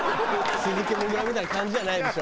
鈴木もぐらみたいな感じじゃないでしょ？